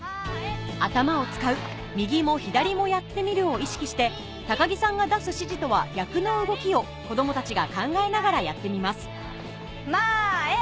「頭を使う」「右も左もやってみる」を意識して木さんが出す指示とは逆の動きを子供たちが考えながらやってみますまえ！